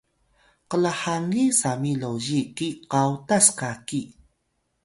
klhangi sami lozi ki kawtas kaki